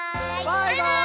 バイバーイ！